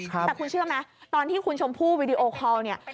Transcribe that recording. แต่คุณเชื่อไหมตอนที่คุณชมพู่วีดีโอคอลเนี่ย